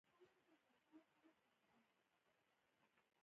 ډېری مسلمانانو ته په بوډاتوب کې ګور وریادېږي.